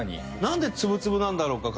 なんで粒々なんだろうか？